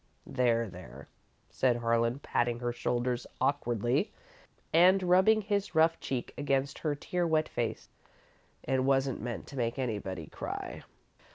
"There, there," said Harlan, patting her shoulders awkwardly, and rubbing his rough cheek against her tear wet face; "it wasn't meant to make anybody cry."